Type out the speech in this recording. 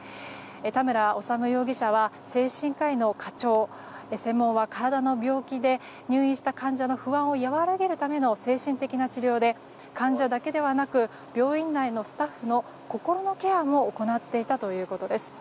田村修容疑者は精神科医の科長専門は体の病気で入院した患者の不安を和らげるための精神的な治療で患者だけでなく病院内のスタッフの心のケアも行っていたということです。